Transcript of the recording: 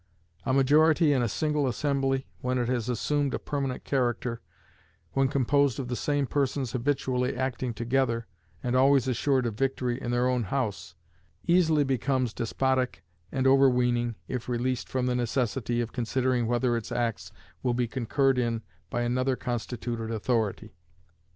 A majority in a single assembly, when it has assumed a permanent character when composed of the same persons habitually acting together, and always assured of victory in their own House easily becomes despotic and overweening if released from the necessity of considering whether its acts will be concurred in by another constituted authority.